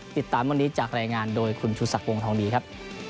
ติดตามวันนี้จากแรงงานโดยคุณชุสักวงธองดีครับ